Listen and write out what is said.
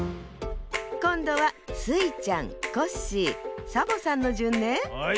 こんどはスイちゃんコッシーサボさんのじゅんね。